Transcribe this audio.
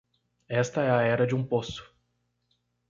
Esta é a era de um poço